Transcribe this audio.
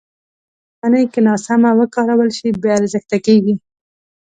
• شتمني که ناسمه وکارول شي، بې ارزښته کېږي.